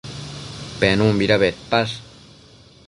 Penunbida bedpash?